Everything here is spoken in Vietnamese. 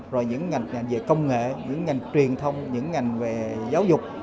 rồi những ngành về công nghệ những ngành truyền thông những ngành về giáo dục